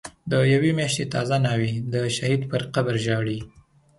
د یوی میاشتی تازه ناوی، دشهید پر قبرژاړی